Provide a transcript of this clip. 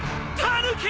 タヌキ！